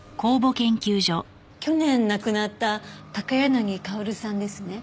去年亡くなった高柳薫さんですね。